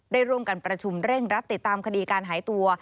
ได้ร่วมกันประชุมเร่งรัดติดตามคดีการหายตัว